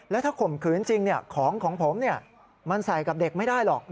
แล้วถ้าข่มขืนจริงของของผมมันใส่กับเด็กไม่ได้หรอก